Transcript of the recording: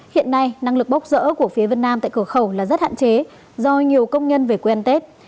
hiện nay năng lực bốc rỡ của phía vân nam tại cửa khẩu là rất hạn chế do nhiều công nhân về quê ăn tết